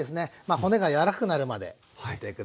骨が柔らかくなるまで煮て下さい。